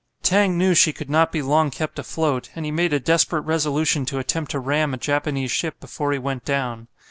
Tang knew she could not be long kept afloat, and he made a desperate resolution to attempt to ram a Japanese ship before he went down.